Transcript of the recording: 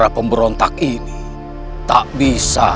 aku harus membantu dia